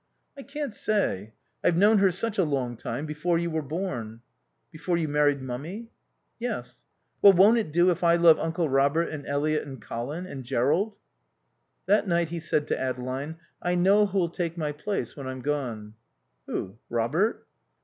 "I can't say. I've known her such a long time; before you were born." "Before you married Mummy!" "Yes." "Well, won't it do if I love Uncle Robert and Eliot and Colin? And Jerrold?" That night he said to Adeline, "I know who'll take my place when I'm gone." "Who? Robert?"